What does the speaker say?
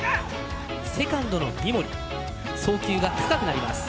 セカンドの三森送球が高くなります。